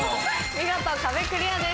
見事壁クリアです。